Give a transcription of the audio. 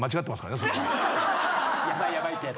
ヤバいヤバいってやつ。